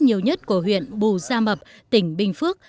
nhiều nhất của huyện bù gia mập tỉnh bình phước